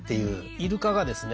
イルカがですね